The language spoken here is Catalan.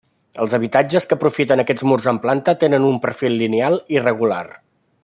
Els habitatges que aprofiten aquests murs en planta tenen un perfil lineal irregular.